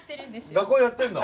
学校でやってんの？